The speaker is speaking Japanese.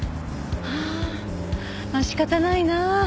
ああ仕方ないな。